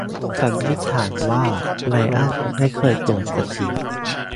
สันนิษฐานว่าไรอันไม่เคยตรวจสติ